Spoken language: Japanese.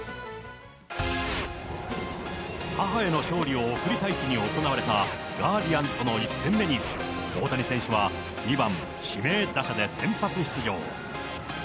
母への勝利を贈りたいと、この日に行われたガーディアンズとの１戦目に、大谷選手は、２番指名打者で先発出場。